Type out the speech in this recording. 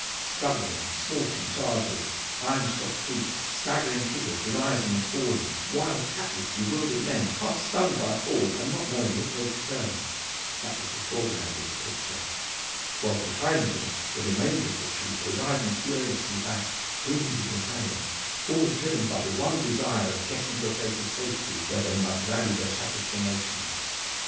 Struggling, snorting chargers, iron shod feet, staggering figures rising and falling, wild, hatless, bewildered men half stunned by a fall, and not knowing which way to turn that was the foreground of the picture, while behind them the remainder of the troop were riding furiously back, wounded and hale, all driven by the one desire of getting to a place of safety where they might rally their shattered formation.